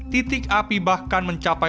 titik api bahkan mencapai